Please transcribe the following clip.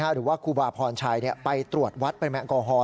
หรือว่าครูบาร์พรชัยไปตรวจวัดเป็นแม่งกอฮอล์